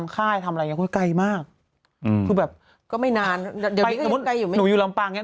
ไก่มากคือแบบก็ไม่นานเดี๋ยวนี้ก็ไก่อยู่ไหมหนูอยู่ลำปางเนี่ย